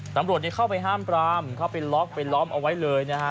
ตำรวจเข้าไปห้ามปรามเข้าไปล็อกไปล้อมเอาไว้เลยนะฮะ